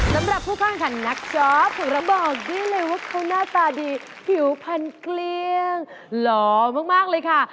สำหรับผู้เข้าแข่งขันนักจ๊อฟของเราบอกได้เลยว่าเขาหน้าตาดีผิวพันเกลี้ยงหล่อมากเลยค่ะ